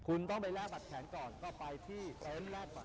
คุณต้องไปลากบัตรแข็งก่อน